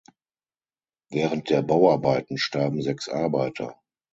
Während der Bauarbeiten starben sechs Arbeiter.